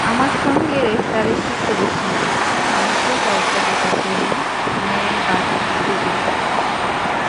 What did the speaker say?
আমার সঙ্গে রেষারেষি করিস তুই, আমাকে লজ্জা দেবার জন্য ন্যায়বান সেজে থাকিস!